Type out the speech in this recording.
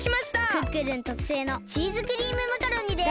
クックルンとくせいのチーズクリームマカロニです！